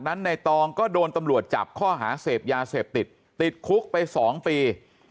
ในตองก็โดนตำรวจจับข้อหาเสพยาเสพติดติดคุกไป๒ปี